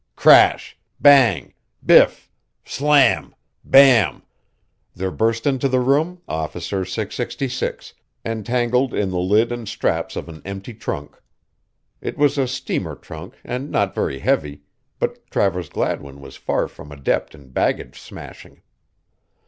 Crash! Bang! Biff! Slam! Bam! There burst into the room Officer 666, entangled in the lid and straps of an empty trunk. It was a steamer trunk and not very heavy, but Travers Gladwin was far from adept in baggage smashing.